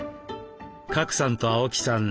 賀来さんと青木さん